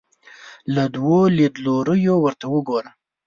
له دوو لیدلوریو ورته وګورو